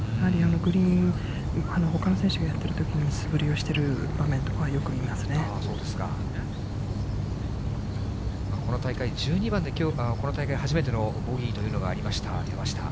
グリーン、ほかの選手がやってるときに、素振りをしている場面とこの大会、１２番でこの大会初めてのボギーというのがありました、山下。